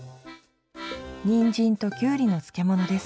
にんじんときゅうりの漬物です。